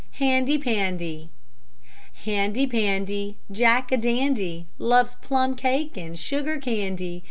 HANDY PANDY Handy Pandy, Jack a dandy, Loves plum cake and sugar candy.